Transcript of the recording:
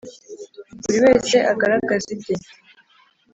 , buri wese agaragaze ibye